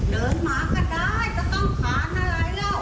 หมาก็ได้จะต้องผ่านอะไรแล้ว